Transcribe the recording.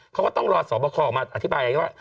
เขาก็ต้องรอสอบข้อออกมาอธิบายไว้ว่า